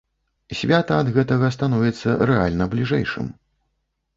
Свята ад гэтага становіцца рэальна бліжэйшым.